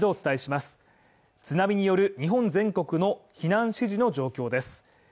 津波による日本全国の避難指示の状況です。